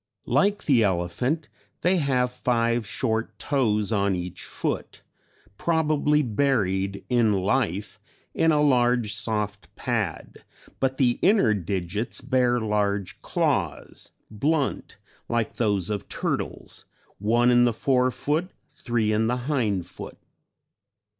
Like the elephant they have five short toes on each foot, probably buried in life in a large soft pad, but the inner digits bear large claws, blunt like those of turtles, one in the fore foot, three in the hind foot.